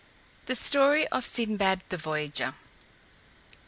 THE STORY OF SINBAD THE VOYAGER.